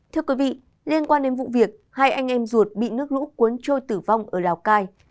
thưa quý vị liên quan đến vụ việc hai anh em ruột bị nước lũ cuốn trôi tử vong ở lào cai